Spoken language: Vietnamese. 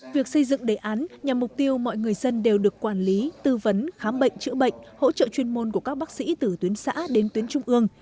việc xây dựng đề án nhằm mục tiêu mọi người dân đều được quản lý tư vấn khám bệnh chữa bệnh hỗ trợ chuyên môn của các bác sĩ từ tuyến xã đến tuyến trung ương